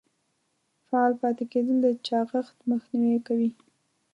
فعال پاتې کیدل د چاغښت مخنیوی کوي.